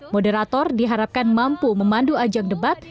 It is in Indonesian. moderator diharapkan mampu memandu ajang debat